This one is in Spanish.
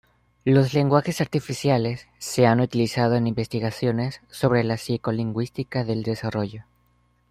Los lenguajes artificiales se han utilizado en investigaciones sobre la psicolingüística del desarrollo.